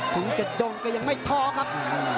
ถึงจะด้งก็ยังไม่ท้อครับ